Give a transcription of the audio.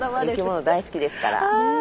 生きもの大好きですから。